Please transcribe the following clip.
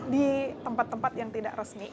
di tempat tempat yang tidak resmi